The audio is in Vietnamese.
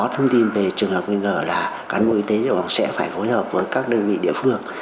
thông tin về trường hợp nguy ngờ là cán bộ y tế dự phòng sẽ phải phối hợp với các đơn vị địa phương